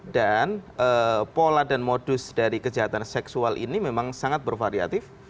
dan pola dan modus dari kejahatan seksual ini memang sangat bervariatif